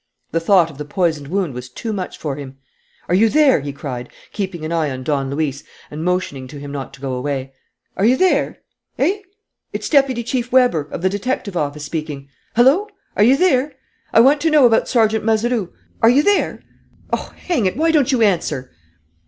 The thought of the poisoned wound was too much for him. "Are you there?" he cried, keeping an eye on Don Luis and motioning to him not to go away. "Are you there? ... Eh? ... It's Deputy Chief Weber, of the detective office, speaking.... Hullo! Are you there? ... I want to know about Sergeant Mazeroux. ... Are you there?. .. Oh, hang it, why don't you answer!"